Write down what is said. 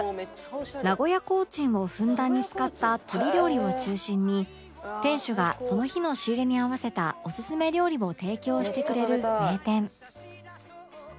名古屋コーチンをふんだんに使った鶏料理を中心に店主がその日の仕入れに合わせたオススメ料理を提供してくれる名店